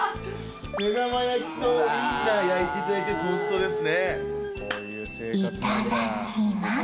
目玉焼きとウインナー焼いていただいてトーストですね。